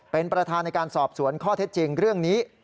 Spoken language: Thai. เป็นประธานในการสอบสวนข้อเท็จจริงเรื่องนี้